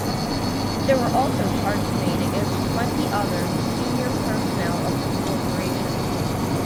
There were also charges made against twenty other senior personnel of the Corporation.